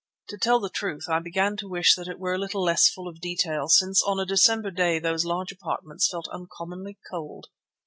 To tell the truth, I began to wish that it were a little less full in detail, since on a December day those large apartments felt uncommonly cold.